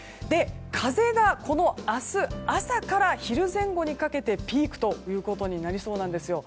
風が明日朝から昼前後にかけてピークとなりそうです。